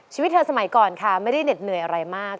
ชีวิตเธอสมัยก่อนค่ะไม่ได้เหน็ดเหนื่อยอะไรมาก